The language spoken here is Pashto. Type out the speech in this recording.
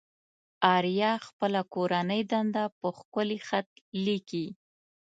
آريا خپله کورنۍ دنده په ښکلي خط ليكي.